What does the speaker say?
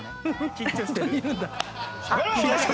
緊張してる。